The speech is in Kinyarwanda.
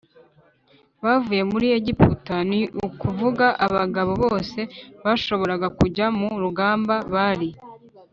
bavuye muri Egiputa ni ukuvuga abagabo bose bashoboraga kujya ku rugamba bari